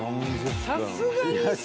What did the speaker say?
さすがにさ。